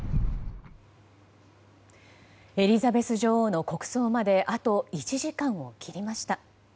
エリザベス女王の国葬まであと１時間を切りました。